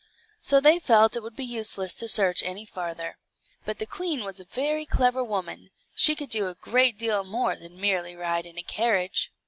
So they felt it would be useless to search any farther. But the queen was a very clever woman; she could do a great deal more than merely ride in a carriage.